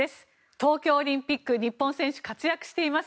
東京オリンピック日本選手、活躍しています。